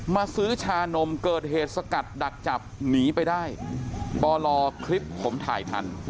มาซื้อชานมเกิดเหตุสกัดดักจับหนีไปได้ปลอคลิปผมถ่ายทัน